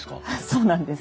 そうなんです。